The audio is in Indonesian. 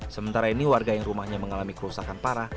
sementara ini warga yang rumahnya mengalami kerusakan parah